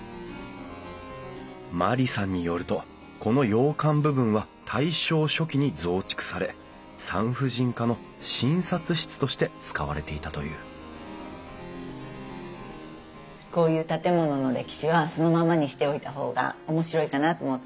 万里さんによるとこの洋館部分は大正初期に増築され産婦人科の診察室として使われていたというこういう建物の歴史はそのままにしておいた方がおもしろいかなと思って。